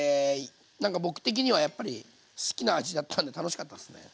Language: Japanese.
なんか僕的にはやっぱり好きな味だったんで楽しかったですね。